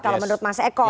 kalau menurut mas eko